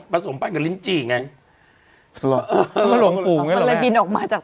ผสมไปกับงั้นมันหลงฝูงไงแล้ว